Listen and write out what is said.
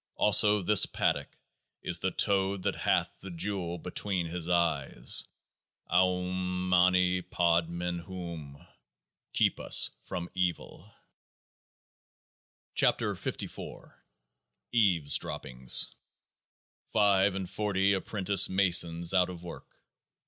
Also this PADDOCK is the Toad that hath the jewel between his eyes — Aum Mani Padmen Hum ! (Keep us from Evil !) 68 KEOAAH NA EAVES DROPPINGS Five and forty apprentice masons out of work